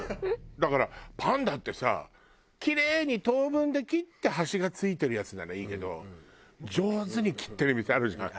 だからパンだってさキレイに等分で切って端が付いてるやつならいいけど上手に切ってる店あるじゃない。